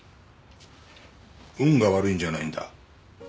運が悪いんじゃないんだ。